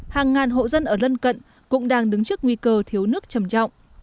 hàng ngàn hộ dân ở lân cận cũng đang đứng trước nguy cơ thiếu nước trầm trọng